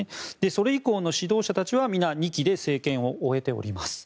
それ以降の指導者たちは皆、２期で政権を終えています。